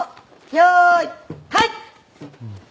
用意はい！